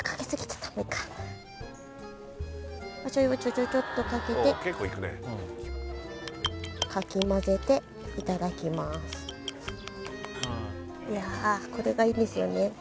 まあいっかお醤油をちょちょちょっとかけていやあこれがいいんですよね